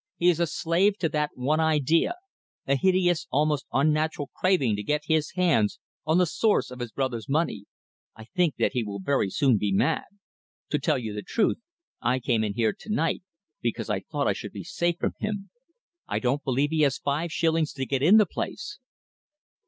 He is a slave to that one idea a hideous, almost unnatural craving to get his hands on the source of his brother's money. I think that he will very soon be mad. To tell you the truth, I came in here to night because I thought I should be safe from him. I don't believe he has five shillings to get in the place."